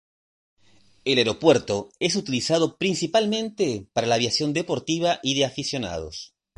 El aeropuerto es utilizado principalmente para la aviación deportiva y de aficionados.